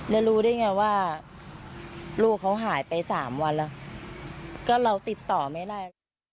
แล้วรู้ได้ไงว่าลูกเขาหายไป๓วันแล้วก็เราติดต่อไม่ได้